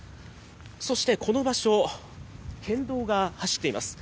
そしてこの場所、県道が走っています。